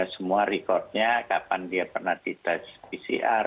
semua rekodnya kapan dia pernah di tes pcr